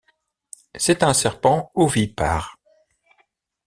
C'est un serpent ovipare.